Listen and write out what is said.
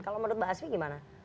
kalau menurut mbak asfi gimana